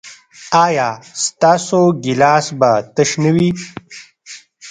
ایا ستاسو ګیلاس به تش نه وي؟